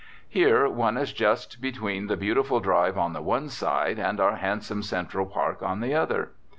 Here one is just between the beautiful Drive on the one hand and our handsome Central Park on the other.